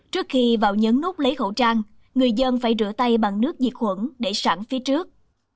trước khi vào nhấn nút lấy khẩu trang người dân phải rửa tay bằng nước diệt khuẩn để sẵn phía trước